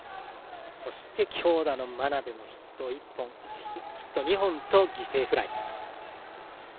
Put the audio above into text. そして、強打の真鍋もヒット２本と犠牲フライ。